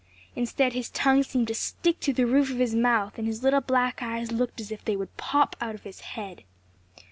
Instead his tongue seemed to stick to the roof of his mouth and his little black eyes looked as if they would pop out of his head.